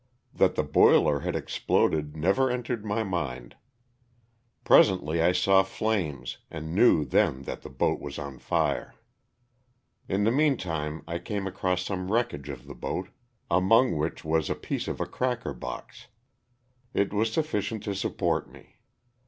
That the boiler had exploded never entered my mind. Presently I saw flames and knew then that the boat was on fire. In the meantime I came across some wreckage of the boat, among which was a piece of a cracker box. It was sufl&cient to support me.